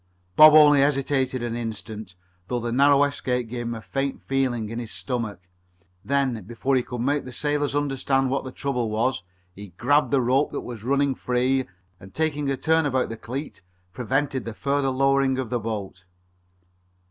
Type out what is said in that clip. Bob only hesitated an instant, though the narrow escape gave him a faint feeling in his stomach. Then, before he could make the sailors understand what the trouble was, he grabbed the rope that was running free and, taking a turn about a cleat, prevented the further lowering of the boat.